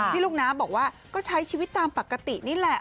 ลูกน้ำบอกว่าก็ใช้ชีวิตตามปกตินี่แหละ